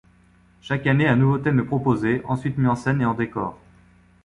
Chaque année un nouveau thème est proposé, ensuite mis en scène et en décors.